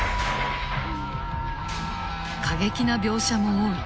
過激な描写も多い。